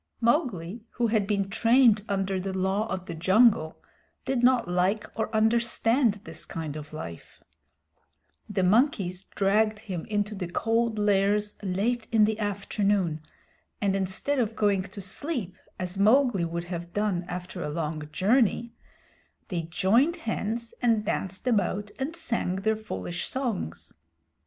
Mowgli, who had been trained under the Law of the Jungle, did not like or understand this kind of life. The monkeys dragged him into the Cold Lairs late in the afternoon, and instead of going to sleep, as Mowgli would have done after a long journey, they joined hands and danced about and sang their foolish songs.